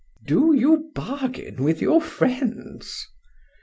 "Do you bargain with your friends?"